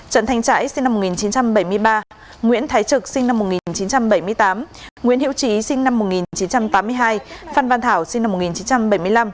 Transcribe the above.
trần thanh trãi sinh năm một nghìn chín trăm bảy mươi ba nguyễn thái trực sinh năm một nghìn chín trăm bảy mươi tám nguyễn hữu trí sinh năm một nghìn chín trăm tám mươi hai phan văn thảo sinh năm một nghìn chín trăm bảy mươi năm